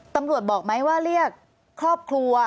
ตำรวจบอกไหมว่าเรียกครอบครัว